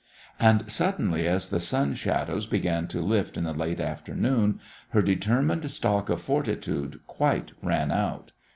And suddenly, as the sun shadows began to lift in the late afternoon, her determined stock of fortitude quite ran out.